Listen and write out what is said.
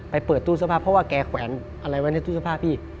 เปิดตู้เสื้อผ้าเพราะว่าแกแขวนอะไรไว้ในตู้เสื้อผ้าพี่